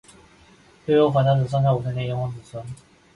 悠悠华夏史上下五千年炎黄子孙